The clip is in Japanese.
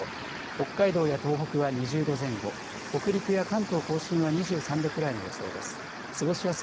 北海道や東北は２０度前後、北陸や関東甲信は２３度くらいの予想です。